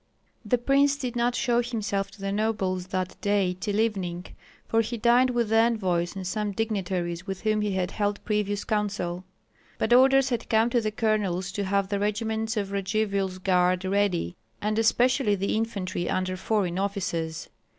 The prince did not show himself to the nobles that day till evening, for he dined with the envoys and some dignitaries with whom he had held previous counsel. But orders had come to the colonels to have the regiments of Radzivill's guard ready, and especially the infantry under foreign officers.